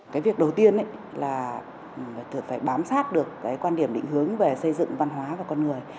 cái việc đầu tiên là phải bám sát được cái quan điểm định hướng về xây dựng văn hóa và con người